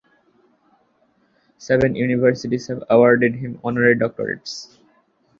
Seven universities have awarded him honorary doctorates.